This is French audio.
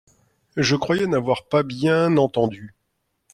Je croyais n'avoir pas bien entendu.